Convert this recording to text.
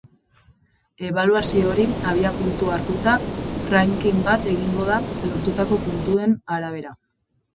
Ebaluazio hori abiapuntu hartuta, ranking bat egingo da, lortutako puntuen arabera.